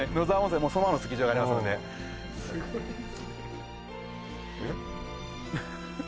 もうそばのスキー場がありますのでえっ？